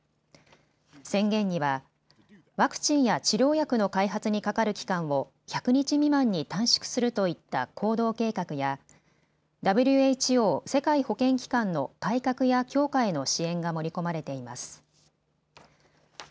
宣言にはワクチンや治療薬の開発にかかる期間を１００日未満に短縮するといった行動計画やＷＨＯ・世界保健機関の改革や強化への支援が盛り込まれています。